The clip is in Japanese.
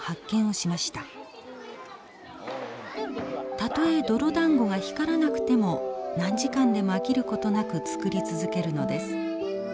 たとえ泥だんごが光らなくても何時間でも飽きることなく作り続けるのです。